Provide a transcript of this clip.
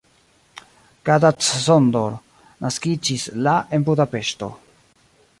Kata Csondor naskiĝis la en Budapeŝto.